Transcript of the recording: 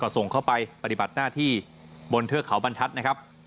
ส่งเข้าไปปฏิบัติหน้าที่บนเทือกเขาบรรทัศน์นะครับ